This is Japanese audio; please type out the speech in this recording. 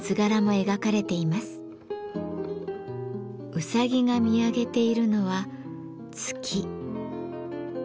うさぎが見上げているのは月。